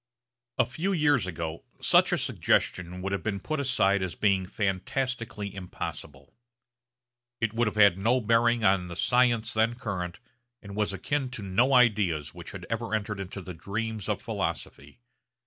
A few years ago such a suggestion would have been put aside as being fantastically impossible. It would have had no bearing on the science then current, and was akin to no ideas which had ever entered into the dreams of philosophy.